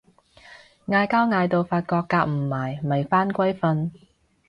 嗌交嗌到發覺夾唔埋咪返歸瞓